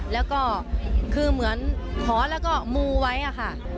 แล้วก็คือเหมือนขอแล้วก็มูไว้อะค่ะ